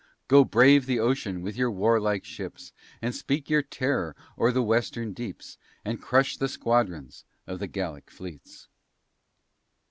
Go brave the ocean with your war like ships, And speak your terror o'er the western deeps, And crush the squadrons of the Gallic fleets.